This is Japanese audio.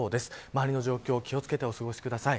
周りの状況に気を付けてお過ごしください。